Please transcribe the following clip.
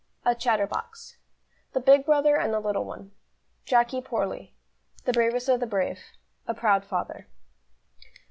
A chatterbox. The big brother and the little one. Jacky poorly. The bravest of the brave. A proud father.